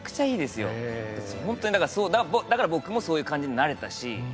ほんとに、だから僕もそういう感じになれたし。